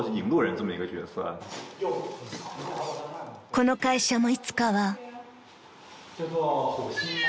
［この会社もいつかは］